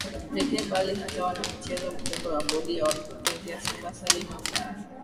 pekee bali hata wanamichezo Mjumbe wa Bodi ya Wakurugenzi ya Simba Salim Abdallah